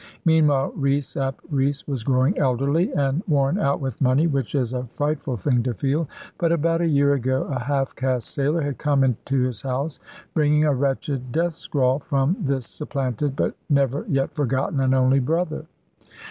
Meanwhile Rees ap Rees was growing elderly, and worn out with money, which is a frightful thing to feel. But about a year ago, a half cast sailor had come to his house, bringing a wretched death scrawl from this supplanted, but never yet forgotten, and only brother.